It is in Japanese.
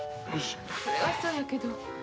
それはそうやけど。